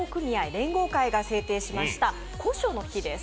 連合会さんが制定しました古書の日です。